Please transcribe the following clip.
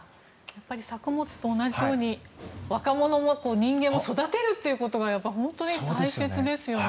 やっぱり作物と同じように若者も人間を育てるということが本当に大切ですよね。